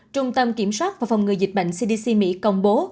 trung tâm kiểm soát và phòng ngừa dịch bệnh cdc mỹ công bố